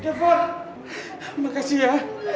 devon makasih ya